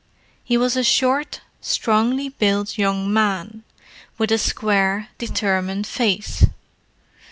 He was a short, strongly built young man, with a square, determined face.